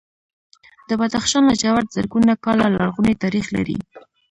د بدخشان لاجورد زرګونه کاله لرغونی تاریخ لري.